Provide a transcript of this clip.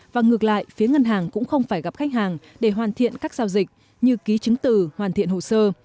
và ngược lại phía ngân hàng cũng không phải gặp khách hàng để hoàn thiện các giao dịch như ký chứng từ hoàn thiện hồ sơ